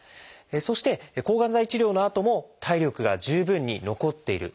そして抗がん剤治療のあとも体力が十分に残っている。